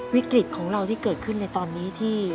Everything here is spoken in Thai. วิกฤตของเราที่เกิดขึ้นในตอนนี้ที่